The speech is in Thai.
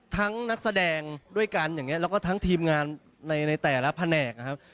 นักแสดงด้วยกันอย่างนี้แล้วก็ทั้งทีมงานในแต่ละแผนกนะครับ